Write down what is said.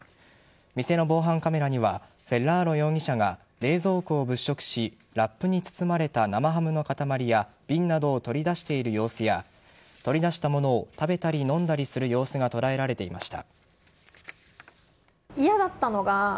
店の防犯カメラにはフェッラーロ容疑者が冷蔵庫を物色しラップに包まれた生ハムのかたまりや瓶などを取り出している様子や取り出したものを食べたり飲んだりする様子が捉えられていました。